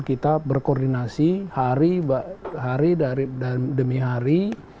kita berkoordinasi hari dan demi hari